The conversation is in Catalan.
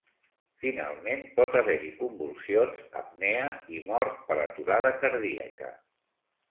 Finalment pot haver-hi convulsions, apnea i mort per aturada cardíaca.